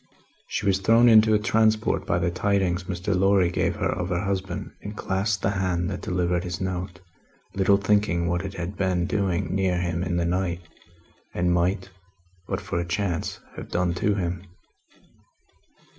She was thrown into a transport by the tidings Mr. Lorry gave her of her husband, and clasped the hand that delivered his note little thinking what it had been doing near him in the night, and might, but for a chance, have done to him.